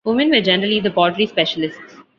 Women were generally the pottery specialists.